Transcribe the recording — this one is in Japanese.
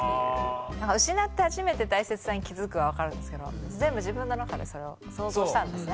失って初めて大切さに気付くは分かるんですけど全部自分の中でそれを想像したんですね